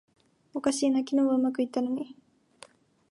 おかしいな、昨日はうまくいったのに